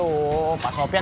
eh pak sopyan